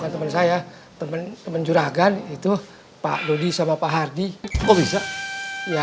temen temen juragan itu pak lodi sama pak hardy